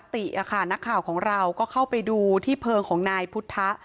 นักข่าวของเราก็เข้าไปดูที่เพลิงของนายพุทธะ